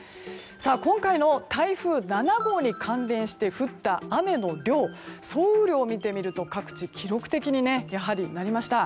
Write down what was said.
今回の台風７号に関連して降った雨の量総雨量を見てみると各地、記録的になりました。